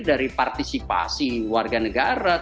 dari partisipasi warga negara